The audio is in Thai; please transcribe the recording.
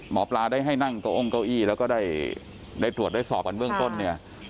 หมอปลาได้ให้นั่งเก้าอ้งเก้าอี้แล้วก็ได้ตรวจได้สอบกันเบื้องต้นเนี่ย